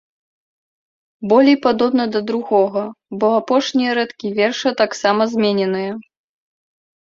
Болей падобна да другога, бо апошнія радкі верша таксама змененыя.